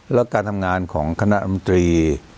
แล้วการทำงานของคณะอำตรี